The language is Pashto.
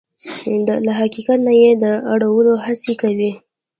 له حقیقت نه يې د اړولو هڅې کوي.